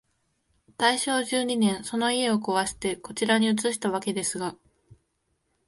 大正十二年、その家をこわして、こちらに移したわけですが、